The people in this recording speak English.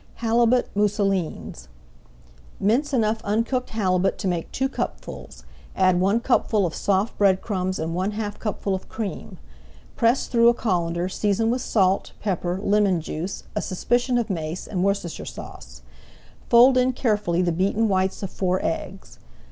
HALIBUT MOUSSELINES Mince enough uncooked halibut to make two cupfuls, add one cupful of soft bread crumbs and one half cupful of cream. Press through a colander, season with salt, pepper, lemon juice, a suspicion of mace and Worcestershire Sauce. Fold in carefully the beaten whites of four eggs.